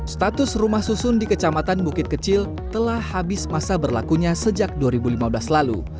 status rumah susun di kecamatan bukit kecil telah habis masa berlakunya sejak dua ribu lima belas lalu